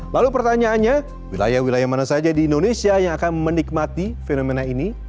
lalu pertanyaannya wilayah wilayah mana saja di indonesia yang akan menikmati fenomena ini